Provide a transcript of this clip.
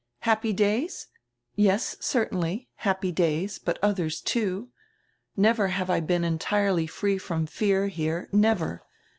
"Happy days! Yes, certainly, happy days, hut others, too. Never have I heen entirely free from fear here, never.